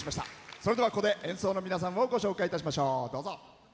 それでは、演奏の皆さんをご紹介いたしましょう。